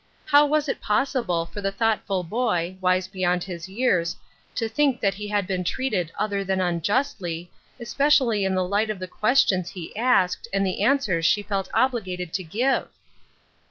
How was it possible for the thoughtful boy, wise beyond his years, to think that he had been treated other than unjustly, especially in the light of the ques tions he asked, and the answers she felt obliged to give